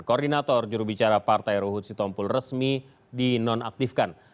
koordinator juru bicara partai ruhut sitompul resmi dinonaktifkan